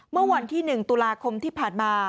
เมื่อวันที่๑ตุลาคมที่ผ่านมา